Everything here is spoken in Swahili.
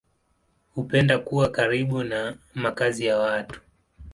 Hupenda kuwa karibu na makazi ya watu.